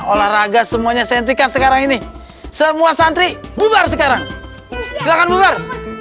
olahraga semuanya sentikan sekarang ini semua santri bubar sekarang silahkan bubar